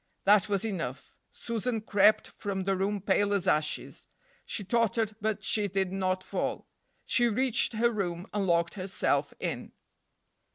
That was enough. Susan crept from the room pale as ashes. She tottered, but she did not fall. She reached her room and locked herself in.